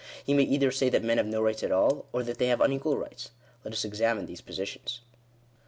He may either say that men have no rights at all, or that they have unequal rights. Let us examine these positions.